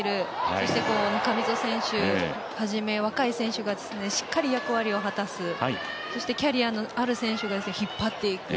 そして中溝選手はじめ若い選手がしっかり役割を果たすそしてキャリアのある選手が引っ張っていく。